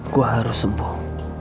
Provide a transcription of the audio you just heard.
gue harus sembuh